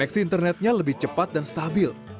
seksi internetnya lebih cepat dan stabil